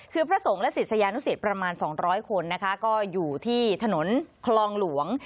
คือพระสงฆ์และศิษยานุสิตประมาณ๒๐๐คนนะคะก็อยู่ที่ถนนคลองหลวง